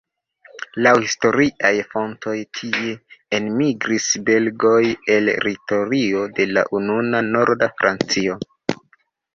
Laŭ historiaj fontoj tie enmigris belgoj el teritorio de la nuna norda Francio.